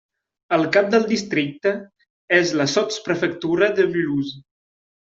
El cap del districte és la sotsprefectura de Mulhouse.